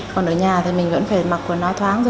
còn ở nhà thì mình vẫn phải mặc quần áo thoáng rồi